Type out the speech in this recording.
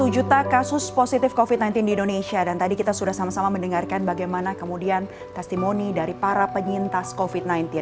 satu juta kasus positif covid sembilan belas di indonesia dan tadi kita sudah sama sama mendengarkan bagaimana kemudian testimoni dari para penyintas covid sembilan belas